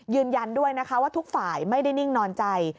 ยืนยันด้วยนะคะว่าทุกฝ่ายไม่ได้นิ่งนอนใจ